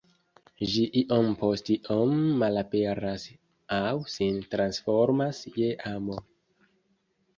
Ĝi iom post iom malaperas aŭ sin transformas je amo.